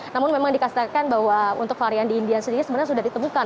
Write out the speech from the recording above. namun memang dikatakan bahwa untuk varian di india sendiri sebenarnya sudah ditemukan